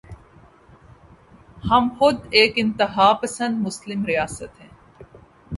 ہم خود ایک انتہا پسند مسلم ریاست ہیں۔